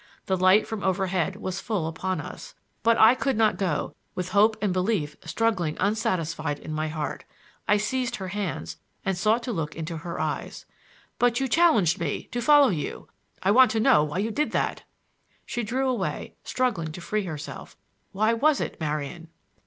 The light from overhead was full upon us, but I could not go with hope and belief struggling unsatisfied in my heart. I seized her hands and sought to look into her eyes. "But you challenged me,—to follow you! I want to know why you did that!" She drew away, struggling to free herself "Why was it, Marian?"